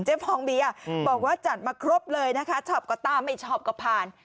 ฟองเบียบอกว่าจัดมาครบเลยนะคะชอบก็ตามไม่ชอบก็ผ่าน